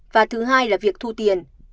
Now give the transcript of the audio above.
và thứ hai là việc thu tiền